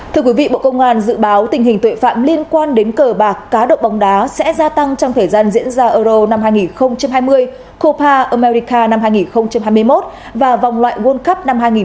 thưa quý vị bộ công an dự báo tình hình tuệ phạm liên quan đến cờ bạc cá độ bóng đá sẽ gia tăng trong thời gian diễn ra euro hai nghìn hai mươi copa america hai nghìn hai mươi một và vòng loại world cup hai nghìn hai mươi hai